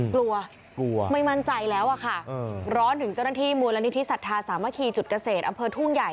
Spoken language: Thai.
กลัวกลัวไม่มั่นใจแล้วอะค่ะร้อนถึงเจ้าหน้าที่มูลนิธิสัทธาสามัคคีจุดเกษตรอำเภอทุ่งใหญ่